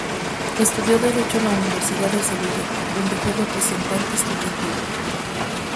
Estudió Derecho en la Universidad de Sevilla, donde fue representante estudiantil.